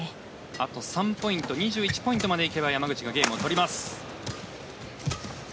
あと３ポイント２１ポイントまで行けば山口がゲームを取ります。